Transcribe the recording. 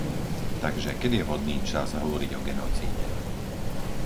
Takže, kedy je vhodný čas hovoriť o genocíde?